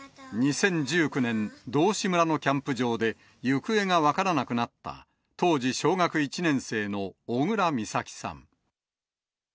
２０１９年、道志村のキャンプ場で、行方が分からなくなった、当時小学１年生の小倉美咲さん。